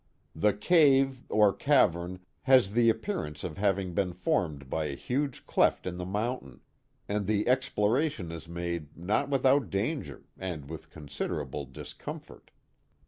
The cave or cavern has the appearance of having been formed by a huge cleft in the mountain, and the exploration is made not with out danger, and with considerable discomfort.